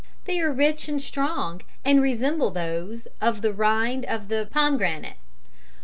They are rich and strong, and resemble those of the rind of the pomegranate.